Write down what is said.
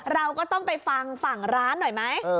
เราก็ต้องไปฟังฝั่งร้านหน่อยไหม